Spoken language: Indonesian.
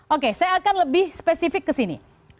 oke saya akan lebih spesifik ke sini